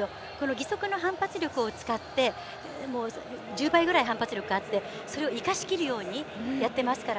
義足の反発力を使って１０倍ぐらい反発力があってそれを生かしきるようにやってますので。